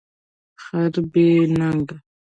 خر بی نګه